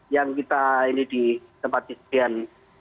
yang kita ini di tempat kejadian